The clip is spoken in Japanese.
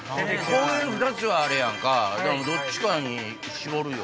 公園２つはあれやんかどっちかに絞るよ。